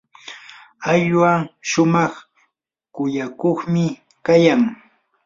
ayllua shumaq kuyakuqmi kayan.